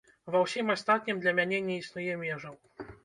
Ва ўсім астатнім для мяне не існуе межаў.